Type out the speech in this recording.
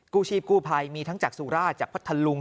ชีพกู้ภัยมีทั้งจากสุราชจากพัทธลุง